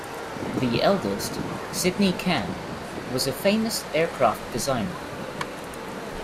The eldest, Sydney Camm, was a famous aircraft designer.